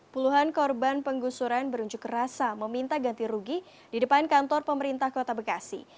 puluhan korban penggusuran berunjuk rasa meminta ganti rugi di depan kantor pemerintah kota bekasi